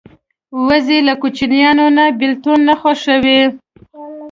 وزې له کوچنیانو نه بېلتون نه خوښوي